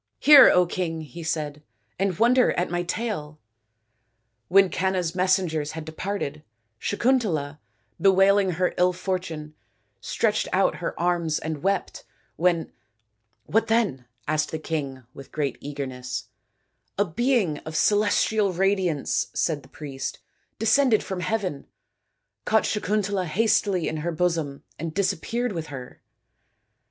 " Hear, King," he said, " and wonder at my tale ! t When Canna's messengers had departed, Sakuntala, bewailing her ill fortune, stretched out her arms and wept ; when "" What then ?" asked the king with great eagerness. SAKUNTALA AND DUSHYANTA 237 " A being of celestial radiance," said the priest, " descended from heaven, caught Sakuntala hastily in her bosom, and disappeared with her."